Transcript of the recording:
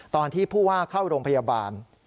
ตอนที่ผู้ว่าเข้าโรงพยาบาล